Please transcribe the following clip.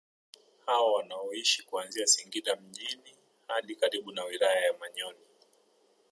Hao wanaishi kuanzia Singida mjini hadi karibu na wilaya ya Manyoni